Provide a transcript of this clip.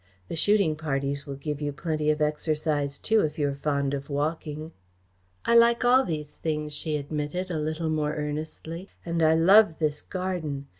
The shooting parties will give you plenty of exercise too, if you are fond of walking." "I like all these things," she admitted, a little more earnestly, "and I love this garden.